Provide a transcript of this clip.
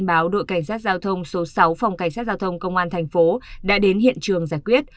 báo đội cảnh sát giao thông số sáu phòng cảnh sát giao thông công an thành phố đã đến hiện trường giải quyết